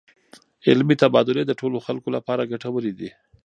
علمي تبادلې د ټولو خلکو لپاره ګټورې دي.